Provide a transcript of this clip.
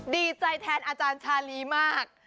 ดีใจแทนอาจารย์ชาลีมาก